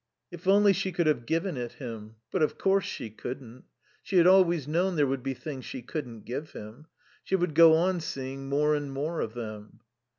If only she could have given it him. But of course she couldn't. She had always known there would be things she couldn't give him. She would go on seeing more and more of them.